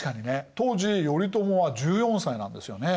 当時頼朝は１４歳なんですよね。